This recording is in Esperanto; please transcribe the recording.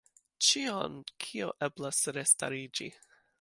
Ĉion, kio eblas restariĝi.